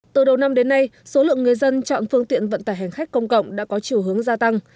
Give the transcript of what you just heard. từ đầu năm đến nay số lượng người dân chọn phương tiện vận tải hành khách công cộng đã có chiều hướng gia tăng